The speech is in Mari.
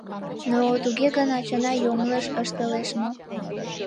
— Но туге гын, ачана йоҥылыш ыштылеш мо?